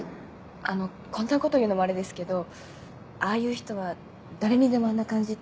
あのこんなこと言うのもあれですけどああいう人は誰にでもあんな感じっていうか。